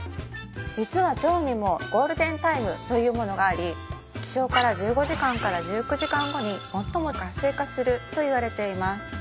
実は腸にもゴールデンタイムというものがあり起床から１５時間から１９時間後に最も活性化するといわれています